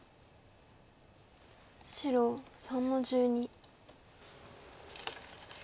白３の十二。